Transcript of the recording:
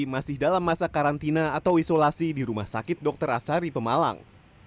masih dalam masa karantina atau isolasi di rumah sakit dr asari pemalang